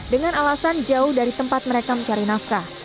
dengan alasan jauh dari tempat mereka mencari nafkah